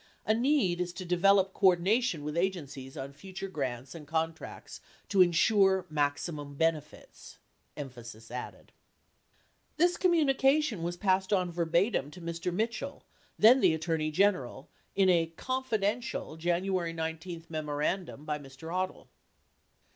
(A need is to develop coordina tion with agencies on future grants and contracts to insure maximum benefits.) [Emphasis added.] This communication was passed on verbatim to Mr. Mitchell, then the Attorney General, in a "Confidential" January 19 memorandum by Mr. Odle.